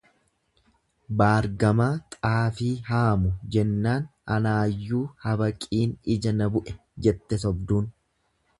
Baar gamaa xaafii haamu jennaan anaayyuu habaqiin ija na bu'e jette sobduun.